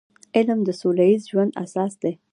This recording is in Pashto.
علم د سوله ییز ژوند اساس دی.